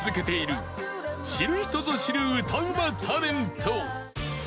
［知る人ぞ知る歌うまタレント］